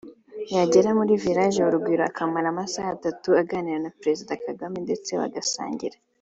yagera muri Village Urugwiro akamara amasaha atatu aganira na Perezida Kagame ndetse bagasangira